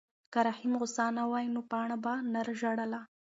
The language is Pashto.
که رحیم غوسه نه وای نو پاڼه به نه ژړله.